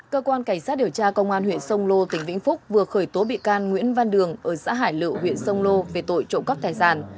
cơ quan cảnh sát điều tra công an huyện sông lô tỉnh vĩnh phúc vừa khởi tố bị can nguyễn văn đường ở xã hải lự huyện sông lô về tội trộm cắp tài sản